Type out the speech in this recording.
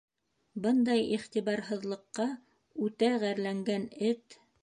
Бындай иғтибарһыҙлыҡҡа үтә ғәрләнгән эт: